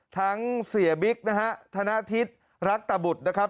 ทั้งเสียบิ๊กนะฮะธนทิศรัตบุตรนะครับ